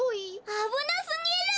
あぶなすぎる！